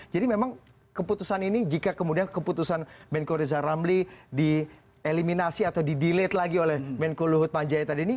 jadi memang keputusan ini jika kemudian keputusan menko reza ramli dieliminasi atau di delete lagi oleh menko luhut manjai tadi ini